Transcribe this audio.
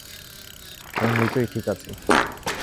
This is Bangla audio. আমি মৃতই ঠিক আছি।